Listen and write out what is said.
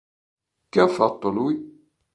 Che ha fatto lui?